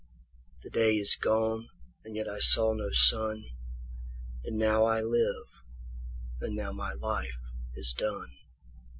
5The day is gone and yet I saw no sun,6And now I live, and now my life is done.